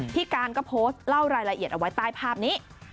พี่การก็โพสต์เล่ารายละเอียดเอาไว้ใต้ภาพนี้